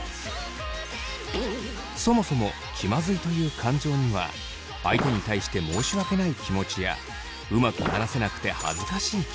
そもそも気まずいという感情には相手に対して申し訳ない気持ちやうまく話せなくて恥ずかしい気持ち。